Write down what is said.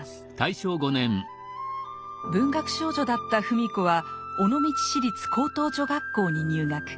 文学少女だった芙美子は尾道市立高等女学校に入学。